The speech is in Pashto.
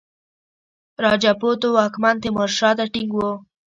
راجپوتو واکمن تیمورشاه ته ټینګ وو.